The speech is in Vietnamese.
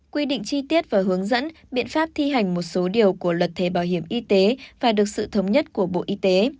quy định chi tiết và hướng dẫn biện pháp thi hành một số điều của luật thuế bảo hiểm y tế và được sự thống nhất của bộ y tế